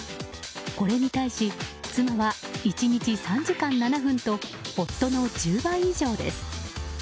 これに対し妻は１日３時間７分と夫の１０倍以上です。